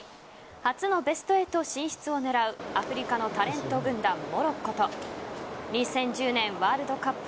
初のベスト８進出を狙うアフリカのタレント軍団モロッコと２０１０年ワールドカップ